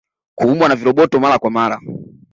Kuumwa na viroboto Mara kwa mara